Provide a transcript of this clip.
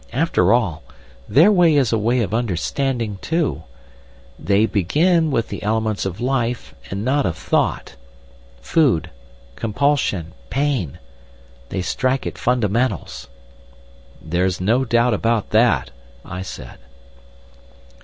After all, their way is a way of understanding, too. They begin with the elements of life and not of thought. Food. Compulsion. Pain. They strike at fundamentals." "There's no doubt about that," I said.